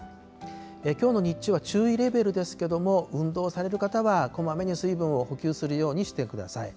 きょうの日中は注意レベルですけれども、運動される方はこまめに水分を補給するようにしてください。